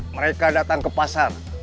mereka datang ke pasar